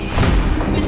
gak mau kali